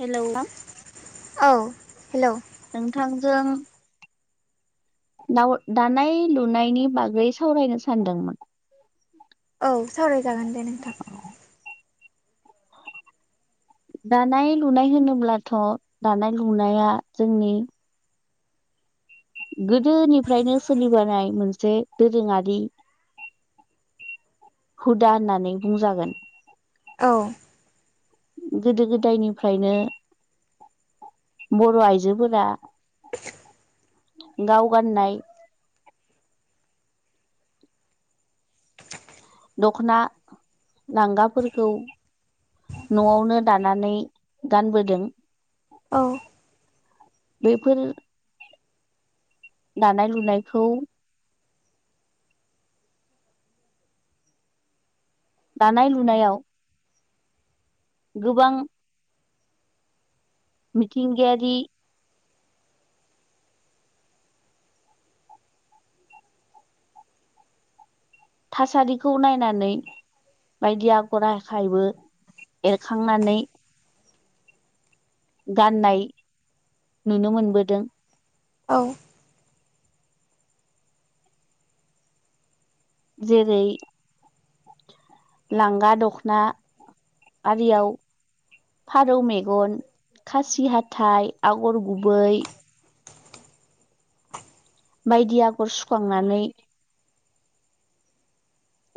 Hello औ hello नोंथांजों दानाय लुनायनि बागै सावरायनो सानदोंमोन। औ सावरायजागोन दे नोंथां दानाय लुनाय होनोब्लाथ' दानाय लुनाया जोंनि गोदोनिफ्रायनो सोलिबोनाय मोनसे दोरोङारि हुदा होननानै बुंजागोन। औ गोदो गोदायनिफ्रायनो बर' आइजोफोरा गाव गाननाय दख'ना लांगाफोरखौ न'आवनो दानानै गानबोदों औ बेफोर दानाय लुनायखौ दानाय लुनायाव गोबां मिथिंगायारि थासारिखौ नायनानै बायदि आगर आखायबो एरखांनानै गाननाय नुनो मोनबोदों औ जेरै लांगा दखना आरियाव फारौ मेगन खासि हाथथाय आगर गुबै बायदि आगर सुखांनानै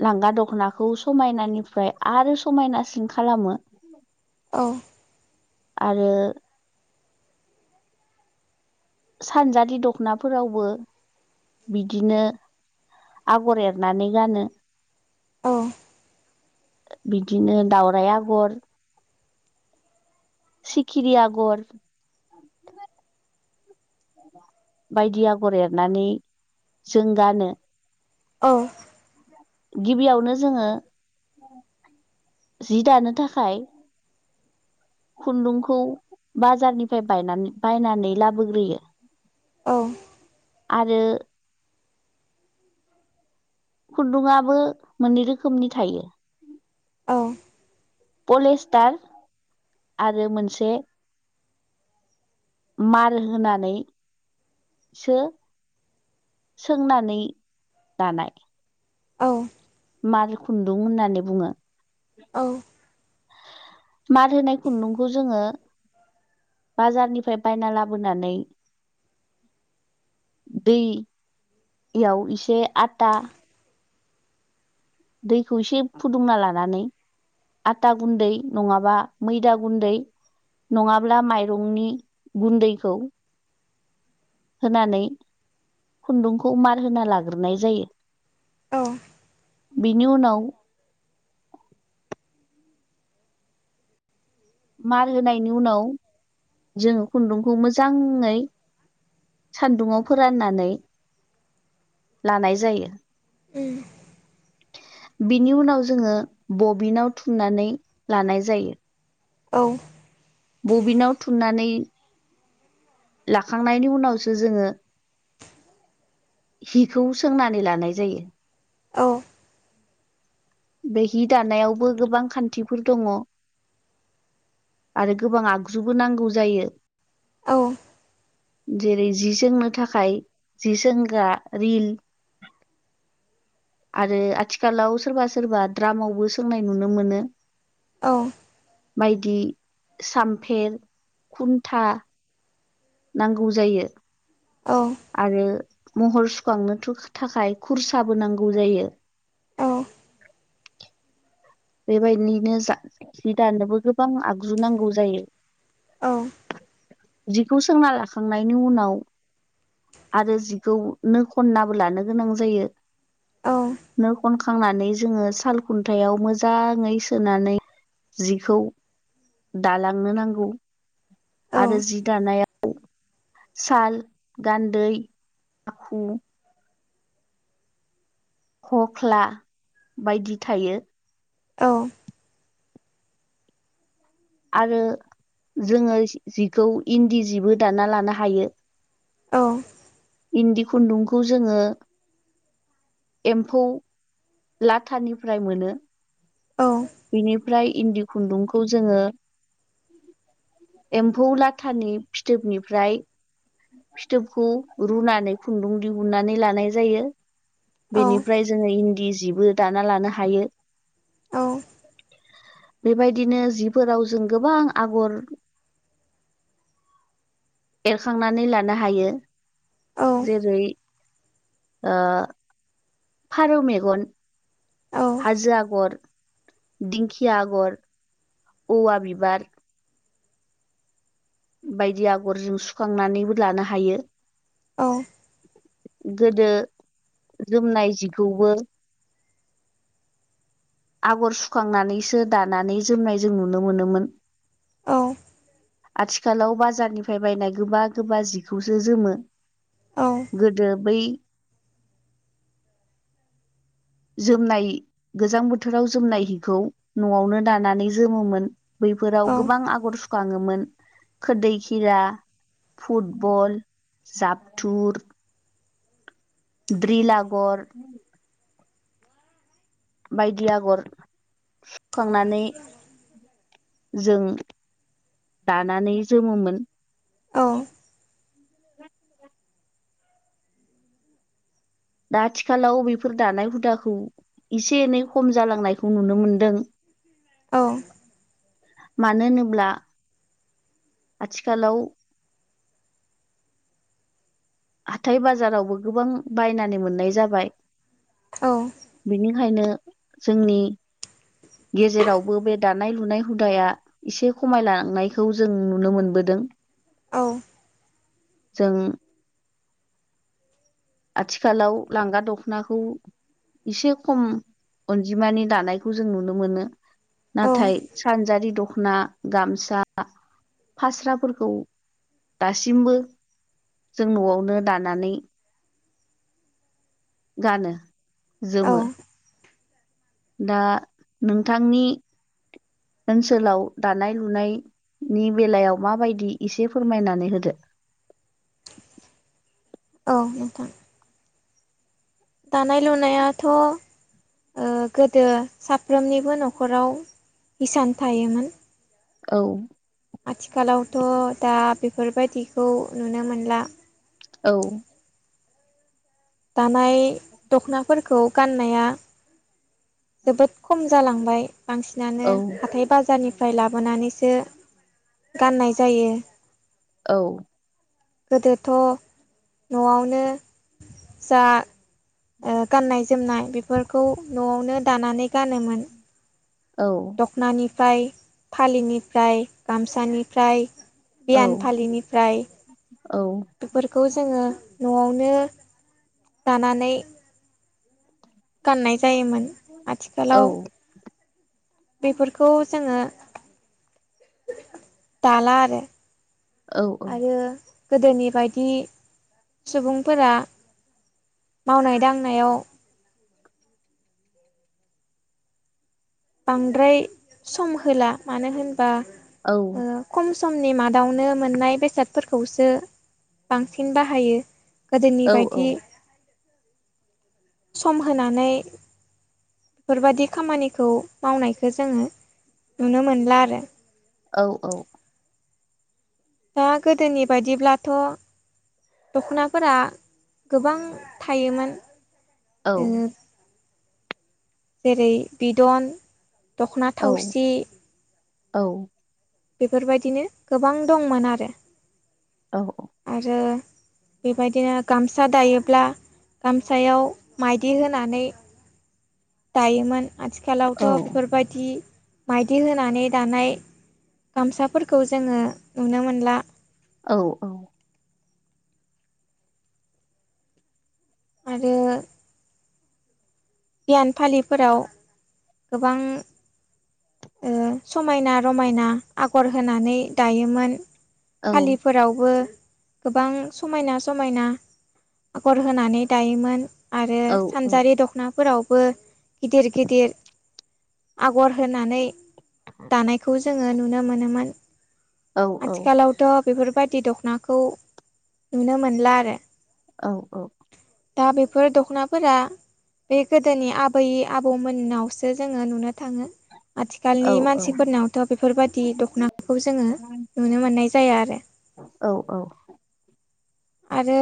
लांगा दख'नाखौ समायनानिफ्राय आरो समायनासिन खालामो। औ आरो सानजालि दख'नाफोरावबो बिदिनो आगर एरनानै गानो औ बिदिनो दाावराइ आगर सिखिरि आगर बायदि आगर एरनानै जों गानो औ गिबियावनो जोंङो जि दानो थाखाय खुन्दुंखौ बाजारनिफ्राय बायनानै बायनानै लाबोग्रोयो औ आरो खुन्दुङाबो मोननै रोखोमनि थायो। औ पलेस्टार आरो मोनसे मार होनानै सो सोंनानै दानाय। औ मार खुन्दुं होननानै बुङो। औ मार होनाय खुन्दुंखौ जोङो बाजारनिफ्राय बायना लाबोनानै दैयाव इसे आता दैखौ एसे फुदुंना लानानै आता गुन्दै नङाबा मैदा गुन्दै नङाब्ला माइरंनि गुन्दैखौ होनानै खुन्दुंखौ मार होना लाग्रोनाय जायो। औ बिनि उनाव मार होनायनि उनाव जों खुन्दुंखौ मोजाङै सान्दुुंआव फोराननानै लानाय जायो। उम बिनि उनाव जोङो बबिनाव थुमनानै लानाय जायो। औ थुनानै लाखांनायनि उनावसो जोङो हिखौ सोंनानै लानाय जायो। बे हि दानायावबो गोबां खान्थिफोर दङ। आरो गोबां आगजुबो नांगौ जायो। औ जेरै जि सोंनो थाखाय जि सोंग्रा रिल आरो आथिखालाव सोरबा सोरबा द्रामावबो सोंनाय नुनो मोनो। औ बायदि सामफेर खुन्था नांगौ जायो। आरो महर सुखांनो थुख थाखाय खुरसाबो नांगौ जायो। [inaudible] बेबायदिनो जा जि दानोबो गोबां आगजु नांगौ जायो। औ जिखौ सोंना लाखांनायनि उनाव आरो जिखौ नो खननाबो लानो गोनां जायो। उम नो खनखांनानै जोङो साल खुन्थायाव मोजां जाङै सोनानै जिखौ दालांनो नांगौ। औ आरो जि दानायाव साल गान्दै माखु खख्ला बायदि थायो। औ आरो जोङो जिखौ इन्दि जिबो दाना लानो हायो। औ इन्दि खुन्दुंखौ जोङो एम्फौ लाथानिफ्राय मोनो। बेनिफ्राय इन्दि खुन्दुंखौ जोङो एम्फौ लाथानि फिथोबनिफ्राय फिथोबखौ रुनानै खुन्दुं दिहुननानै लानाय जायो। औ बेनिफ्राय जोङो इन्दि जिबो दाना लानो हायो। औ बेबायदिनो जिफोराव जों गोबां आगर एरखांनानै लानो हायो औ जेरै आ फारौ मेगन औ औ हाजो आगर दिंखिया आगर औव बिबार बायदि आगर जों सुखांनानैबो लानो हायो। औ गोदो जोमनाय जिखौबो आगर सुखांनानैसो दानानै जोमनाय जों नुनो मोनोमोन। औ आथिखालाव बाजारनिफ्राय बायनाय गोबा गोबा जिखौसो जोमो औ गोदो बै जोमनाय गोजां बोथोराव जोमनाय हिखौ न'आवनो दानानै जोमोमोन। बैफोराव गोबां औ औ आगर सुखाङोमोन खोरदै खिरा फुटबल जापटुर द्रिल आगर बायदि आगर सुखांनानै जों दानानै जोमोमोन। दा आथिखालाव बेफोर दानाय हुदाखौ एसे एनै खम जालांनायखौ नुनो मोनदों। औ मानो होनोब्ला आथिखालाव हाथाय बाजारावबो गोबां बायनानै मोननाय जाबाय। औ बेखायनो जोंनि गेजेरावबो बे दानाय लुनाय हुदाया एसे खमायलांनायखौ जों नुनो मोनबो दों औ जों आथिखालाव लांगा दख'नाखौ एसे खम अनजिमानि दानायखौ जों नुनो मोनो। नाथाय सानजारि दख'ना गामसा फास्राफोरखौ दासिमबो जों न'आवनो दानानै गानो औ औ जोमो दा नोंथांनि ओनसोलाव दानाय लुनायनि बेलायाव माबायदि एसे फोरमायनानै होदो। औ नोंथां। दानाय लुनायाथ' ओ गोदो साफ्रोमनिबो न'खराव इसान थायोमोन औ आथिखालावथ' दा बेफोरबायदिखौ नुनो मोनला औ दानाय दख'नाफोरखौ गाननाया जोबोद खम जालांबाय बांसिनानो औ हाथाय बाजारनि फ्राय लाबोनानैसो गाननाय जायो। औ। गोदोथ' न'आवनो जा ओ गाननाय जोमनाय बेफोरखौ न'आवनो दानानै गानोमोन। औ दख'नानिफ्राय फालिनिफ्राय गामसानिफ्राय बियान फालिनिफ्राय औ बेफोरखौ जोंङो न'आवनो दानानै गाननाय जायोमोन औ आथिखालाव बेफोरखौ जोंङो दाला आरो। औ आरो गोदोनि बायदि सुबुंफोरा मावनाय दांनायाव बांद्राय सम होला मानो होनबा औ ओ खम समनि मादावनो मोननाय बेसादफोरखौसो बांसिन बाहायो। गोदोनि औ बायदि सम होनानै बेफोरबादि खामानिखौ मावनायखौ जोंङो नुनो मोनला आरो। औ औ। दा गोदोनि बायदिब्लाथ' दख'नाफोरा गोबां थायोमोन। औ। ओ जेरै बिदन दख'ना औ थावसि औ। बेफोरबायदिनो गोबां दंमोन आरो। औ। औ आरो बेबायदिनो गामसा दायोब्ला गामसायाव माइदि होनानै दायोमोन। आथिखालावथ' बेफोरबायदि माइदि होनानै दानाय गामसाफोरखौ जोंङो नुनो मोनला। औ औ। आरो बियान फालिफोराव गोबां ओ समायना रमायना आगर होनानै दायोमोन। फालिफोरावबो गोबां समायना समायना आगर होनानै दायोमोन। आरो सानजारि दख'ना फोरावबो गिदिर गिदिर आगर होनानै दानायखौ जोंङो नुनो मोनोमोन औ आथिखालावथ' बेफोरबायदि दख'नाखौ नुनो मोनला आरो। औ औ। दा बेफोर दख'नाफोरा बे गोदोनि आबै आबौमोननावसो जोंङो नुनो थांङो। आथिखालनि मानसिफोरनावथ' बेफोरबायाददि दख'नाखौ जोंङो नुनो मोननाय जाया आरो। औ औ। आरो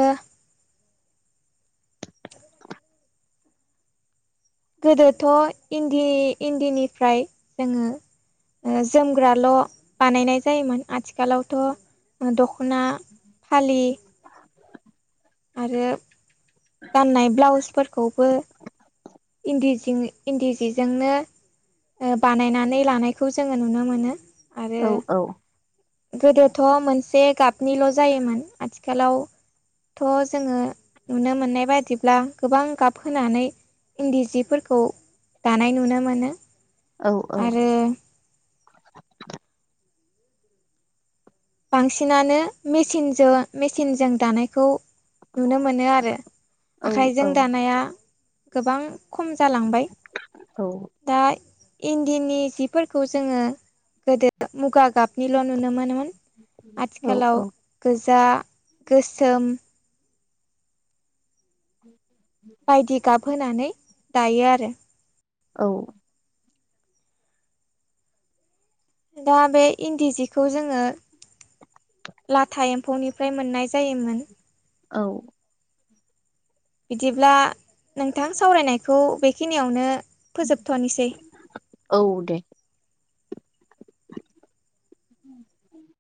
गोदोथ' इन्दि इन्दिनिफ्राय जोंङो ओ जोमग्राल' बानायनाय जायोमोन आथिखालावथ' दख'ना द'खना फालि आरो गाननाय ब्लाउसफोरखौबो इन्दिजों इन्दि जिजोंनो बानायनानै लानायखौ जोंङो नुनो मोनो। आरो औ औ। गोदोथ' मोनसे गाबनिल' जायोमोन आथिखालाव थ' जोङो नुनो मोननाय बादिब्ला गोबां गाब होनानै। इन्दि जि फोरखौ दानाय नुनो मोनो। औ - औ। आरो बांसिनानो मेसिनजो मेचिनजों दानायखौ। नुनो मोनो आरो आखाइजों दानाया गोबां। खम जालांबाय दा। इन्दिनि जि फोरखौ जोङो गोदो मुगा गाबनिल' नुनो मोनोमोन। आथिखालाव गोजा गोसोम। [unintelligible] बायदि गाब होनानै दायो आरो। औ। दा बे इन्दि जिखौ जोङो। लाथा एम्फौनिफ्राय मोननाय जायोमोन। औ। बिदिब्ला नोंथां सावरायनायखौ बेखिनियावनो। फोजोबथ'नोसै। औ दे [unintelligible]